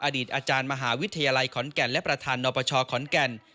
อดีตอาจารย์มหาวิทยาลัยขอนแก่นและประธานนปชขอนแก่น